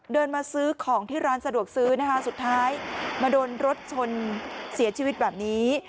เดินมาซื้อของที่ร้านสะดวกซื้อนะคะสุดท้ายมาโดนรถชนเสียชีวิตแบบนี้